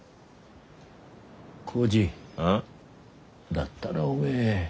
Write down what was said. だったらおめえ